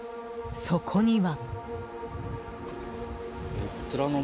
そこには。